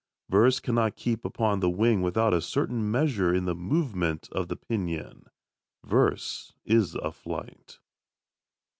Verse cannot keep upon the wing without a certain measure in the movement of the pinion. Verse is a flight.